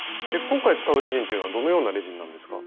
今回使うレジンというのはどのようなレジンなんですか？